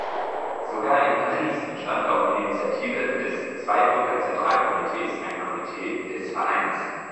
Sogar in Paris entstand auf Initiative des Zweibrücker Zentralkomitees ein Komitee des Vereins.